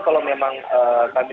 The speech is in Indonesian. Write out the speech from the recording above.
kalau memang kami